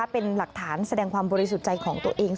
เป็นหลักฐานแสดงความบริสุทธิ์ใจของตัวเอง